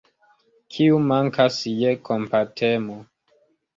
Kiu mankas je kompatemo?